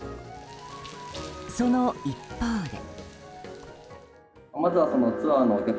その一方で。